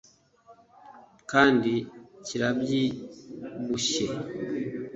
kandi kirabyibushye